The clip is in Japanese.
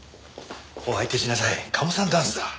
お相手しなさいカモさんダンスだ。